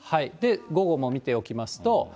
午後も見ておきますと。